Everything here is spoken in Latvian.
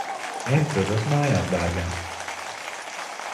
Es dodos mājās, dārgā.